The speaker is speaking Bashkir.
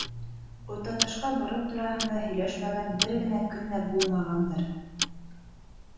Уртаташҡа барыу тураһында һөйләшмәгән бер генә көн дә булмағандыр.